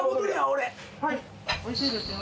俺はいおいしいですよ